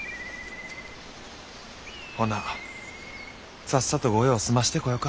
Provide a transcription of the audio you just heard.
ほなさっさと御用を済ましてこよか。